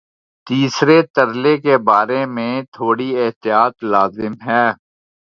تیسرے ترلے کے بارے میں تھوڑی احتیاط لازم ہے۔